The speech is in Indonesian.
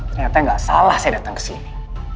ternyata gak salah saya datang kesini